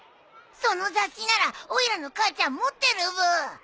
その雑誌ならおいらの母ちゃん持ってるブー。